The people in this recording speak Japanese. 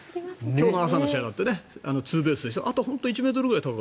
今日の朝の試合だってツーベースでしょ。